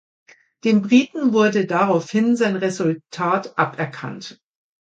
Dem Briten wurde daraufhin sein Resultat aberkannt.